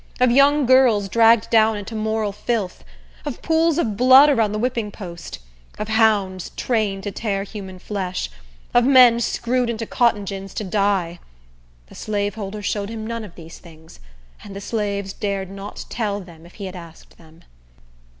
of young girls dragged down into moral filth? of pools of blood around the whipping post? of hounds trained to tear human flesh? of men screwed into cotton gins to die? The slaveholder showed him none of these things, and the slaves dared not tell of them if he had asked them.